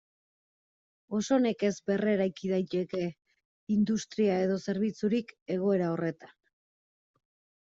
Oso nekez berreraiki daiteke industria edo zerbitzurik egoera horretan.